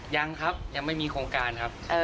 ยังครับยังไม่มีโครงการครับ